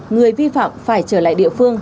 người vi phạm phải trở lại địa phương